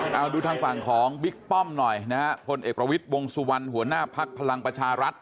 เอาดูทางฝั่งของบิ๊กป้อมหน่อยนะฮะพลเอกประวิทย์วงสุวรรณหัวหน้าภักดิ์พลังประชารัฐ